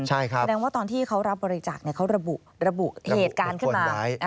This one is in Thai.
แสดงว่าตอนที่เขารับบริจาคเขาระบุเหตุการณ์ขึ้นมา